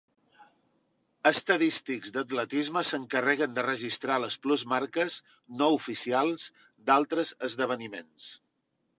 Estadístics d'atletisme s'encarreguen de registrar les plusmarques no oficials d'altres esdeveniments.